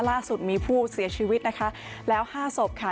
ล่าสุดมีผู้เสียชีวิตนะคะแล้วห้าศพค่ะ